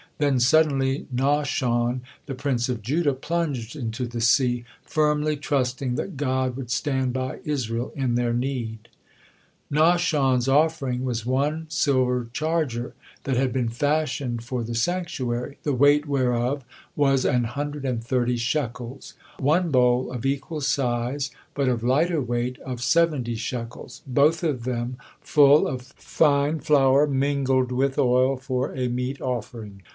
Then suddenly Nahshon, the prince of Judah, plunged into the sea, firmly trusting that God would stand by Israel in their need. Nahshon's offering was one silver changer that had been fashioned for the sanctuary, the weight whereof was an hundred and thirty shekels; on bowl of equal size, but of lighter weight, of seventy shekels; both of them full of fine flour mingles with oil for a meat offering.